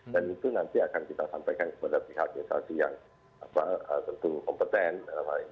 dan itu nanti akan kita sampaikan kepada pihak administrasi yang tentu kompeten dan lain lain